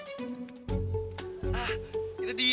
ah itu dia